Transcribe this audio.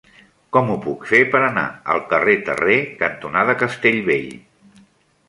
Com ho puc fer per anar al carrer Terré cantonada Castellbell?